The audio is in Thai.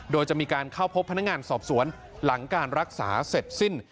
โดยจะมีการเข้าพบพนักงานสอบสวนหลังการรักษาเสร็จสิ้น